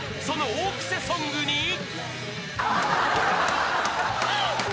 ［その大クセソングに］